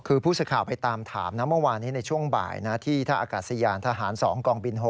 คือผู้สื่อข่าวไปตามถามนะเมื่อวานนี้ในช่วงบ่ายนะที่ท่าอากาศยานทหาร๒กองบิน๖